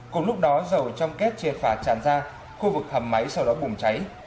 cùng lúc đó dầu trong kết triệt phà tràn ra khu vực hầm máy sau đó bùng cháy